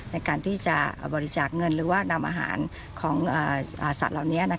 ในการที่จะบริจาคเงินหรือว่านำอาหารของสัตว์เหล่านี้